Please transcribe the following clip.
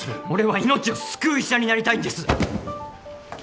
俺は命を救う医者になりたいんです。